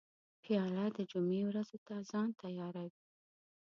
پیاله د جمعې ورځو ته ځان تیاروي.